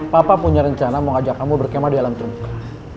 papa punya rencana mau ngajak kamu berkemah di alam terbuka